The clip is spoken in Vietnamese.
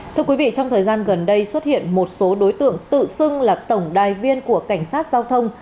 thưa quý vị trong thời gian gần đây xuất hiện một số đối tượng tự xưng là tổng đài viên của cảnh sát giao thông